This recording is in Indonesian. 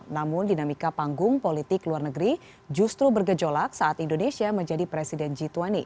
namun dinamika panggung politik luar negeri justru bergejolak saat indonesia menjadi presiden g dua puluh